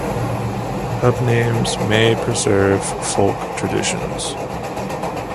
Pub names may preserve folk traditions.